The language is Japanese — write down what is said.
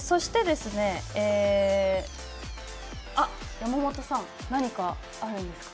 山本さん、何かあるんですか。